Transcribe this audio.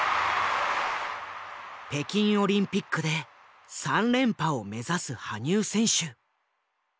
北京オリンピックで３連覇を目指す羽生選手。